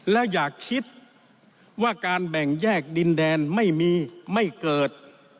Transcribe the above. แล้วอย่าคิดว่าการแบ่งแยกดินแดนไม่มีไม่เกิด